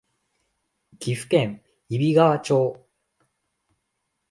岐阜県揖斐川町